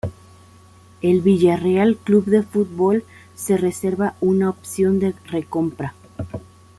El Villarreal Club de Fútbol se reserva una opción de recompra.